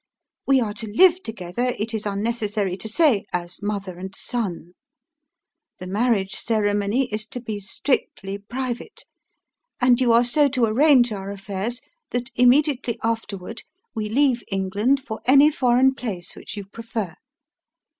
"We are to live together, it is unnecessary to say, as mother and son. The marriage ceremony is to be strictly private, and you are so to arrange our affairs that, immediately afterward, we leave England for any foreign place which you prefer.